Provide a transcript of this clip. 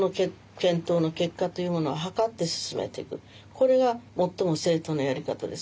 これが最も正当なやり方です。